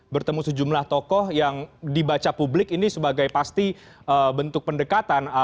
bertemu sejumlah tokoh yang dibaca publik ini sebagai pasti bentuk pendekatan